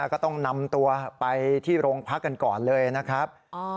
ก็ต้องนำตัวไปที่โรงพักกันก่อนเลยนะครับ